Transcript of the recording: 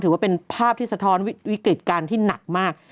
ถือว่าเป็นภาพที่สะท้อนวิกฤติการที่หนักมาก